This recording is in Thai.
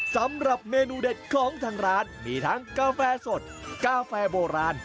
สำหรับเมนูเด็ดของทางร้านมีทั้งกาแฟสดกาแฟโบราณ